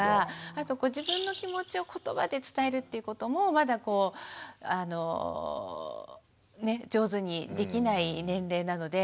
あと自分の気持ちをことばで伝えるということもまだこうね上手にできない年齢なので。